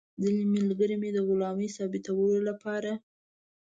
ځینې ملګري مې د غلامۍ ثابتولو لپاره.